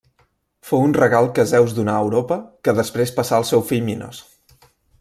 Fou un regal que Zeus donà a Europa que després passà al seu fill Minos.